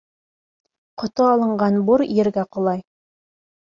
Ҡото алынған бур ергә ҡолай.